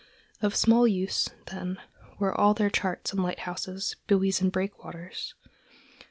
Of small use, then, were all their charts and lighthouses, buoys and breakwaters!